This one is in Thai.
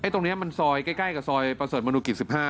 ตรงนี้มันซอยใกล้กับซอยประเสริฐมนุกิจ๑๕